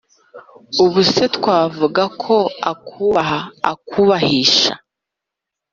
ubu se twavuga ko akubaha?akubahisha?